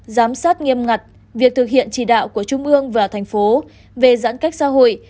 giám sát nghiêm ngặt việc thực hiện chỉ đạo của trung ương và thành phố về giãn cách xã hội